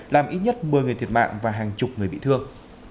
làm ít nhất một mươi người thiệt mạng và hàng chục người bị thương